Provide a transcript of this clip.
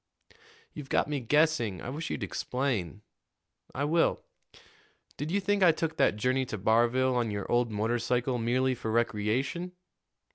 "You've got me guessing. I wish you'd explain." "I will. Did you think I took that journey to Barville on your old motorcycle merely for recreation?"